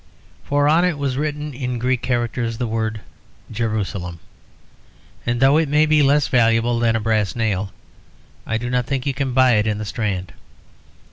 For on it was written in Greek characters the word "Jerusalem," and though it may be less valuable than a brass nail, I do not think you can buy it in the Strand.